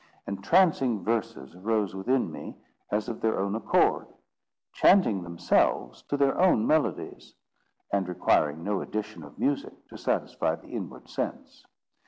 Entrancing verses arose within me as of their own accord, chanting themselves to their own melodies, and requiring no addition of music to satisfy the inward sense.